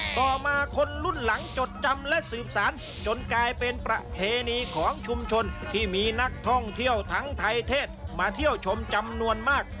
ต่อมาคนรุ่นหลังจดจำและสืบสารจนกลายเป็นประเพณีของชุมชนที่มีนักท่องเที่ยวทั้งไทยเทศมาเที่ยวชมจำนวนมาก